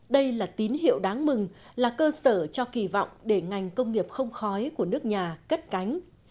đây là tín hiệu đáng mừng là cơ sở cho kỳ vọng để ngành công nghiệp không khói của nước nhà cất cánh